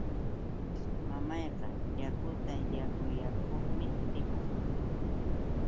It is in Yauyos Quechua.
Mamayqa yakuta yakullakuqmi rikun.